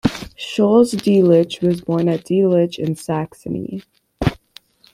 Schulze-Delitzsch was born at Delitzsch, in Saxony.